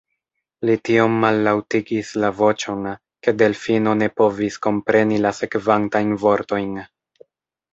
Li tiom mallaŭtigis la voĉon, ke Delfino ne povis kompreni la sekvantajn vortojn.